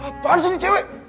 apaan sih ini cewek